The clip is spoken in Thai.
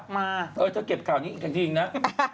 มาจะเก็บข่าวเนี้ยอีกนิดทีฮ่า